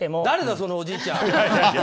誰だ、そのおじいちゃん！